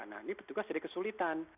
nah ini petugas jadi kesulitan